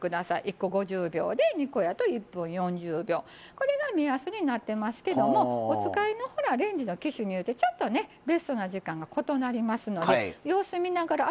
これが目安になってますけどもお使いのレンジの機種によってちょっとねベストな時間が異なりますので様子見ながらあれ？